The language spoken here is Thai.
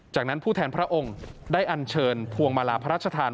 จากนั้นผู้แทนพระองค์ได้อันเชิญพวงมาลาพระราชทาน